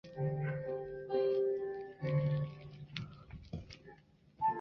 院派是平安时代后期至镰仓时代的佛师之一派。